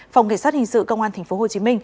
phòng nghệ sát hình sự công an tp hcm